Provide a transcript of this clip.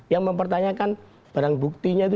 yang mempertanyakan barang buktinya itu